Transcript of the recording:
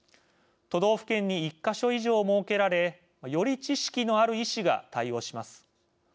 都道府県に１か所以上設けられより知識のある医師が対応します。